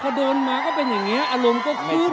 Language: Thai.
พอเดินมาก็เป็นอย่างนี้อารมณ์ก็ขึ้น